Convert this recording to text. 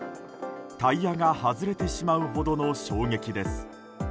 タイヤが外れてしまうほどの衝撃です。